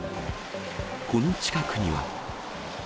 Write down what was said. この近くには。